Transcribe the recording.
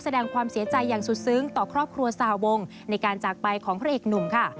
แสดงความเสียใจอย่างสุดซึ้งต่อครอบครัวสาวงในการจากไปของพระเอกหนุ่มค่ะ